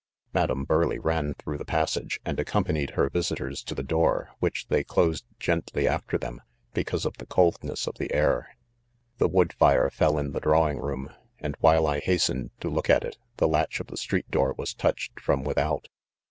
Madam Burleigh ran through the passage, and accompanied her visitors to the door 5 which they closed gently after them, because of the coldness of the air* The wood fire fell in the drawing room, and while I hastened to look at it, the latch of the street door was touched from without.